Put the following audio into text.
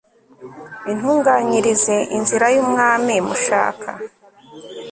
intunganyirize inzira y umwami mushaka